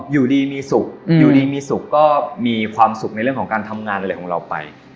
อยู่ดีมีสุขก็มีความสุขในเรื่องของการทำงานอะไรของเราไป